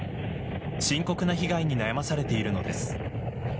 深刻な被害に悩まされているのです。